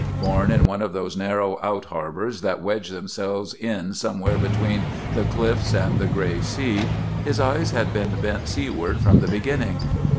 Born in one of those narrow 'out harbors' that wedge themselves in somehow between the cliffs and the gray sea, his eyes had been bent seaward from the beginning.